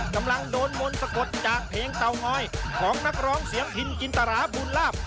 กำลังโดนมนต์สะกดจากเพลงเตางอยของนักร้องเสียงพินจินตราบุญลาบ